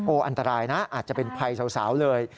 อันตรายนะอาจจะเป็นภัยสาวเลย